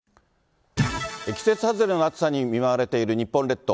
季節外れの暑さに見舞われている日本列島。